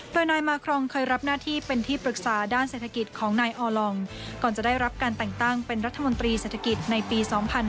โดยนายมาครองเคยรับหน้าที่เป็นที่ปรึกษาด้านเศรษฐกิจของนายออลองก่อนจะได้รับการแต่งตั้งเป็นรัฐมนตรีเศรษฐกิจในปี๒๕๕๙